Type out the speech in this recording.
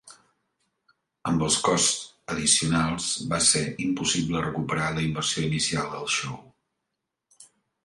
Amb els costs addicionals, va ser impossible recuperar la inversió inicial del show.